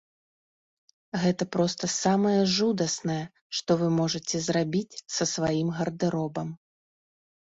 Гэта проста самае жудаснае, што вы можаце зрабіць са сваім гардэробам.